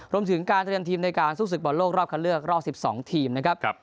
รวมถึงการเตรียมทีมในการสู้ศึกบอลโลกรอบคันเลือกรอบ๑๒ทีมนะครับ